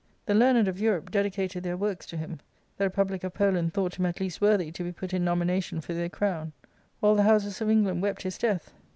The learned of Europe dedicated their works to him. The republic of Poland thought him at least worthy to be put in nomination for their crown. All the houses of England wept his death.